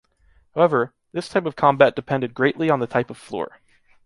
However, this type of combat depended greatly on the type of floor.